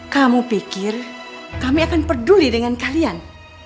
kamu pikir kami akan peduli dengan kalian